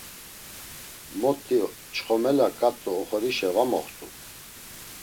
Mot̆i çxomela, ǩat̆u oxorişe va moxtu!